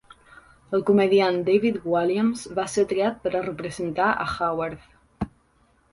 El comediant David Walliams va ser triat per a representar a Howerd.